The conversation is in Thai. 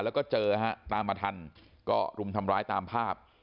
แล้วก็เจอฮะตามมาทันก็รุมทำร้ายตามภาพ